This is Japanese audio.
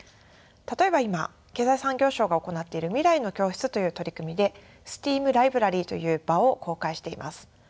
例えば今経済産業省が行っている未来の教室という取り組みでＳＴＥＡＭライブラリーという場を公開しています。